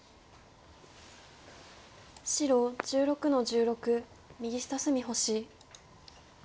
白１６の十六右下隅星。